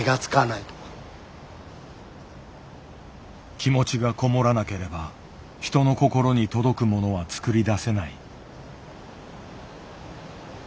気持ちが籠もらなければ人の心に届くものは作り出せない。